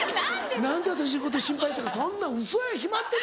「何て私のこと心配して」